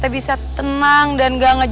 aku akan menganggap